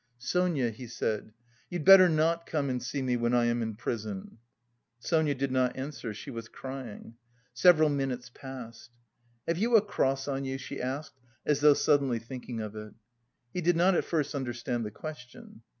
"Sonia," he said, "you'd better not come and see me when I am in prison." Sonia did not answer, she was crying. Several minutes passed. "Have you a cross on you?" she asked, as though suddenly thinking of it. He did not at first understand the question.